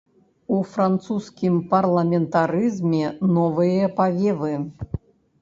У французскім парламентарызме новыя павевы.